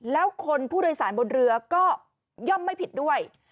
แล้วคนผู้โดยสารบนเรือก็ย่อมไม่ผิดด้วย